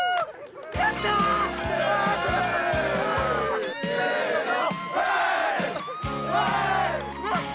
やった！せの。